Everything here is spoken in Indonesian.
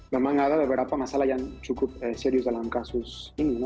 memang ada beberapa masalah yang cukup serius dalam kasus ini